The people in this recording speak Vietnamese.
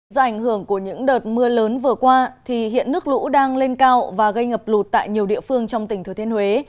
do ảnh hưởng của những đợt mưa lớn vừa qua thì hiện nước lũ đang lên cao và gây ngập lụt tại nhiều địa phương trong tỉnh thừa thiên huế